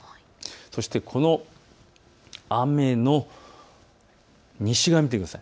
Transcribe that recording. そして、この雨の西側を見てください。